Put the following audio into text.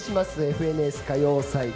「ＦＮＳ歌謡祭」